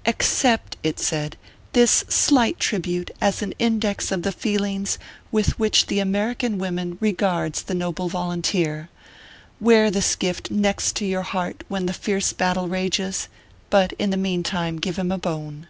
" Accept," it said, " this slight tribute, as an index of the feelings with which the American women re gards the noble volunteer. Wear this gift next your heart when the fierce battle rages ; but, in the mean time, give him a bone."